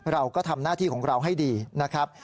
เราก็ทำหน้าที่ของเราให้ดีนะครับ